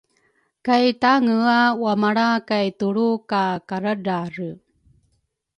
kay tangea wamalra kay tulru ka karadrare.